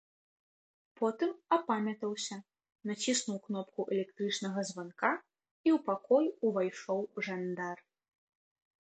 Потым апамятаўся, націснуў кнопку электрычнага званка, і ў пакой увайшоў жандар.